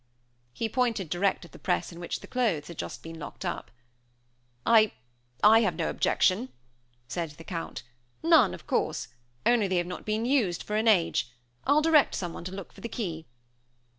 He pointed direct at the press in which the clothes had just been locked up. "I I have no objection," said the Count "none, of course; only they have not been used for an age. I'll direct someone to look for the key."